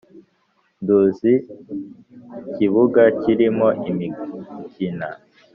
Nduzi ikibuga kirimo imigina.